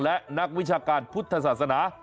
และนักวิชาการพุทธศาสนา